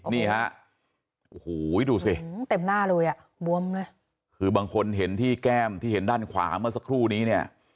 นี่ฮะโอ้โหดูสิเต็มหน้าเลยอ่ะบวมเลยคือบางคนเห็นที่แก้มที่เห็นด้านขวาเมื่อสักครู่นี้เนี่ย